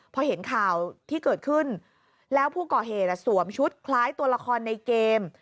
พอเห็นข่าวที่เกิดขึ้นแล้วผู้ก่อเหตุสวมชุดคล้ายตัวละครในเกม